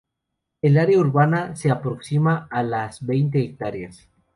El área urbana se aproxima a las veinte hectáreas.